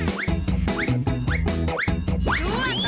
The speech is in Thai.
ช่วงตลอดตลาด